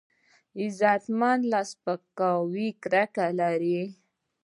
غیرتمند له سپکاوي کرکه لري